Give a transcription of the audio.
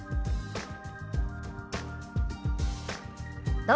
どうぞ。